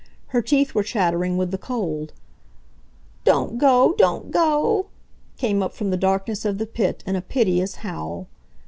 Her teeth were chattering with the cold. "Don't go! Don't go!" came up from the darkness of the pit in a piteous howl.